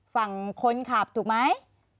ฝั่งคนขับถูกไหม